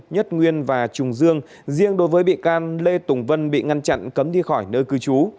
nhất nguyên và trùng dương riêng đối với bị can lê tùng vân bị ngăn chặn cấm đi khỏi nơi cư trú